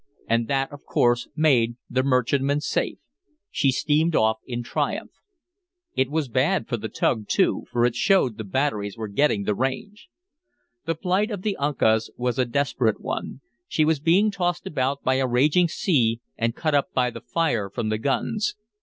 And that of course made the merchantman safe she steamed off in triumph. It was bad for the tug, too, for it showed the batteries were getting the range. The plight of the Uncas was a desperate one. She was being tossed about by a raging sea and cut up by the fire from the guns.